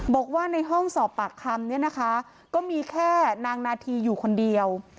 บอกว่าในห้องสอบปากคำเนี่ยนะคะก็มีแค่นางนาธีอยู่คนเดียว